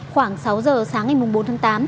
khoảng sáu giờ sáng ngày bốn tháng tám